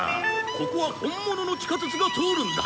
ここは本物の地下鉄が通るんだ。